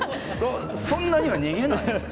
そんなには逃げない？